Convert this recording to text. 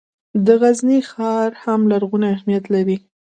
د غزني ښار هم لرغونی اهمیت لري.